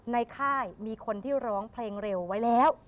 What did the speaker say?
ค่ายมีคนที่ร้องเพลงเร็วไว้แล้ว